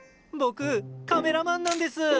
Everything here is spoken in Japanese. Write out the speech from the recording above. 僕カメラマンなんです。